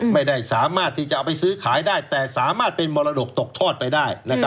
ไม่ได้สามารถที่จะเอาไปซื้อขายได้แต่สามารถเป็นมรดกตกทอดไปได้